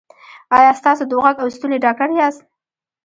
ایا تاسو د غوږ او ستوني ډاکټر یاست؟